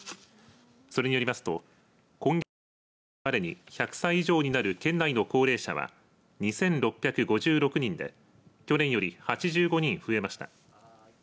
それによりますと今月１５日までに１００歳以上になる県内の高齢者は２６５６人で去年より８５人増えました。